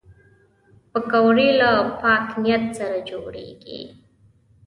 پکورې له پاک نیت سره جوړېږي